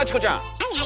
はいはい。